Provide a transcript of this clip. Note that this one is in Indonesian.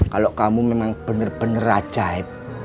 kalau kamu memang bener bener ajaib